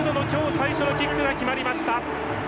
最初のキックが決まりました。